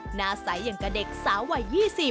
หน้าใสอย่างกับเด็กสาววัย๒๐